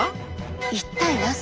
一体なぜ？